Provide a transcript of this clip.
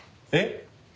えっ？